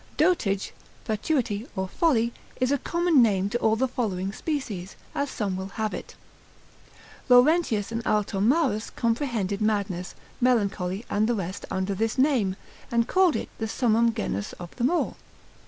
] Dotage, fatuity, or folly, is a common name to all the following species, as some will have it. Laurentius and Altomarus comprehended madness, melancholy, and the rest under this name, and call it the summum genus of them all.